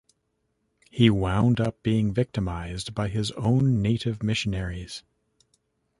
He wound up being victimized by his own native missionaries.